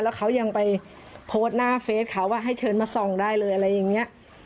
แล้วเขายังไปโพสต์หน้าเฟสเขาว่าให้เชิญมาส่องได้เลยอะไรอย่างนี้